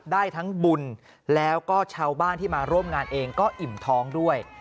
ได้ทั้งบุญแล้วก็ชาวบ้านที่มาร่วมงานเองก็อิ่มท้องด้วย